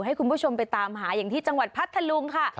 ให้คุณผู้ชมไปตามหาอย่างที่จังหวัดพัทธลุงค่ะ